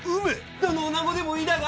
どの女子でもいいだが。